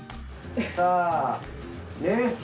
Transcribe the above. さあねぇ！